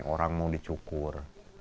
orang mau dicukur